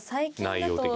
内容的に。